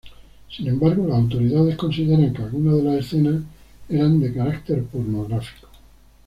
Sin embargo, las autoridades consideran que algunas de las escenas eran de carácter pornográfico.